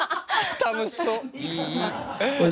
楽しそう！